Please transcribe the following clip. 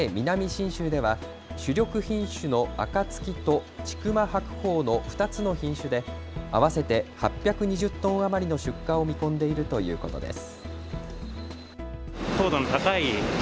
信州では主力品種のあかつきと千曲白鳳の２つの品種で合わせて８２０トン余りの出荷を見込んでいるということです。